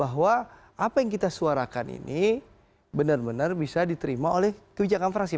karena apa yang kita suarakan ini benar benar bisa diterima oleh kebijakan fraksi